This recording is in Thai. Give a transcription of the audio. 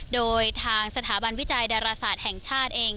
โดยทางสถาบันวิจัยดาราศาสตร์แห่งชาติเอง